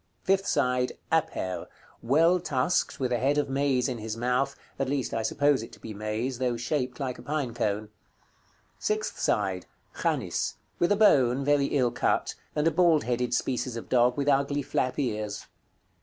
Fifth side. "APER." Well tusked, with a head of maize in his mouth; at least I suppose it to be maize, though shaped like a pine cone. Sixth side. "CHANIS." With a bone, very ill cut; and a bald headed species of dog, with ugly flap ears.